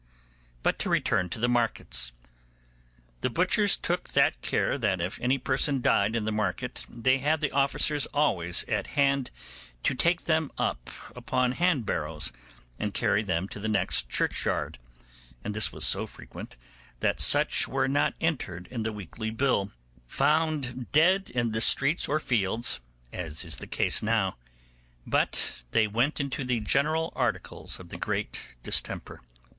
But to return to the markets. The butchers took that care that if any person died in the market they had the officers always at hand to take them up upon hand barrows and carry them to the next churchyard; and this was so frequent that such were not entered in the weekly bill, 'Found dead in the streets or fields', as is the case now, but they went into the general articles of the great distemper.